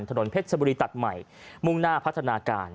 ถนนเพชรชบุรีตัดใหม่มุ่งหน้าพัฒนาการ